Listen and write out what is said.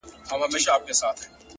خپل مسیر د وجدان په رڼا وټاکئ.